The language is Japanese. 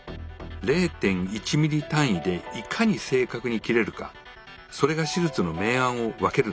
０．１ｍｍ単位でいかに正確に切れるかそれが手術の明暗を分けるんです。